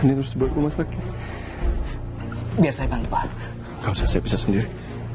ini sebab rumah sakit biasa bantuan kau saya bisa sendiri